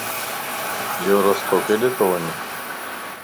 يورستو ڪيڏي تو وڃ؟